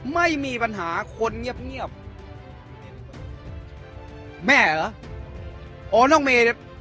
ไม่มีปัญหาคนเงียบเงียบแม่เหรอโอนกเมเชิญ